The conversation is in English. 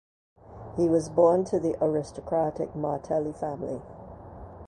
He was born to the aristocratic Martelli family.